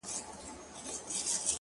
سیاه پوسي ده! ستا غمِستان دی!